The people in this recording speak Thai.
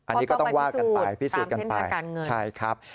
อันนี้ก็ต้องว่ากันไปพิสูจน์กันไป